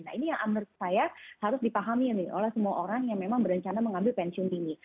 nah ini yang menurut saya harus dipahami oleh semua orang yang memang berencana mengambil pensiun dini